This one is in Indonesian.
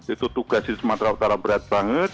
itu tugasnya sumatera utara berat banget